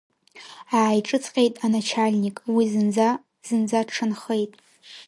Ааиҿыҵҟьеит аначальник, уи зынӡа, зынӡа дшанхеит.